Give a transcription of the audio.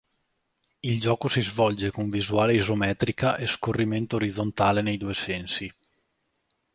Il gioco si svolge con visuale isometrica e scorrimento orizzontale nei due sensi.